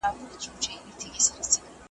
بیا به ګل د ارغوان وي ته به یې او زه به نه یم .